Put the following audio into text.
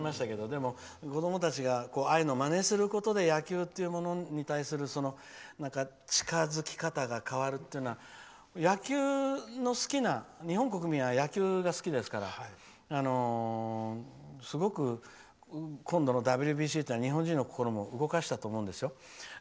でも、子どもたちがああいうのをまねすることで野球っていうものに対する近づき方が変わるというのは。日本国民は野球が好きですからすごく今度のＷＢＣというのは日本人の心を動かしたと思うんですよ。